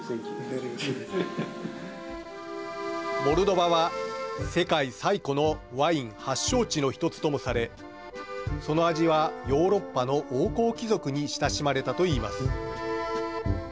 モルドバは、世界最古のワイン発祥地の１つともされその味は、ヨーロッパの王侯貴族に親しまれたといいます。